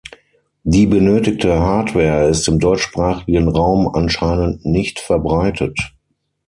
Die benötigte Hardware ist im deutschsprachigen Raum anscheinend nicht verbreitet.